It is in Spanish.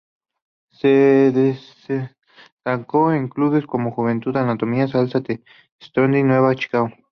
Se destacó en clubes como Juventud Antoniana de Salta, The Strongest y Nueva Chicago.